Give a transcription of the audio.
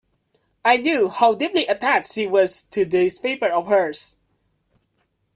I knew how deeply attached she was to this paper of hers.